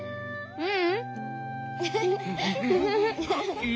うん！